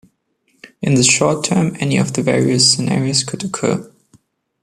In the short term, any of the various scenarios could occur.